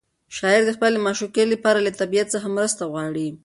شاعر د خپلې معشوقې لپاره له طبیعت څخه مرسته غواړي.